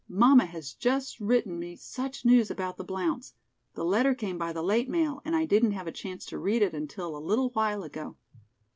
"Mamma has just written me such news about the Blounts. The letter came by the late mail and I didn't have a chance to read it until a little while ago.